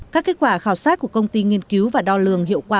các kết quả khảo sát của công ty nghiên cứu và đo lường hiệu quả